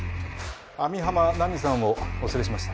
網浜奈美さんをお連れしました。